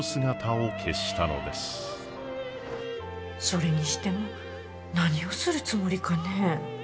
それにしても何をするつもりかね？